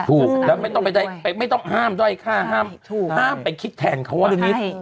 ถูกแล้วไม่ต้องห้ามด้อยฆ่าห้ามไปคิดแทนเขาอันนี้